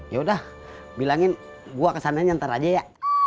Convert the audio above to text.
ya udah bilangin gua kesana nyenter aja ya